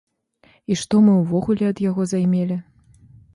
І што мы ўвогуле ад яго займелі?